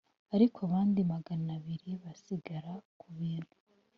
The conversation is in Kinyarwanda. ariko abandi magana abiri basigara ku bintu.